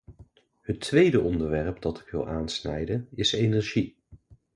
Het tweede onderwerp dat ik wil aansnijden is energie.